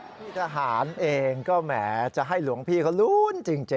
พี่ทหารเองก็แหมจะให้หลวงพี่เขาลุ้นจริง